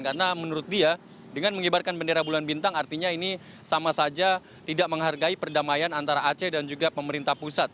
karena menurut dia dengan mengibarkan bendera bulan bintang artinya ini sama saja tidak menghargai perdamaian antara aceh dan juga pemerintah pusat